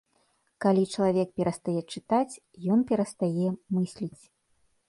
Калі чалавек перастае чытаць, ён перастае мысліць.